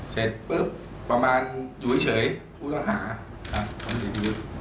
เสร็จปุ๊บประมาณอยู่เฉยผู้ต้องหาคนอื่น